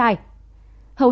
hầu hết người dân về quê